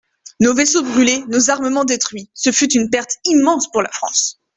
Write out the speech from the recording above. Nos vaisseau brûlés, nos armements détruits : ce fut une perte immense pour la France.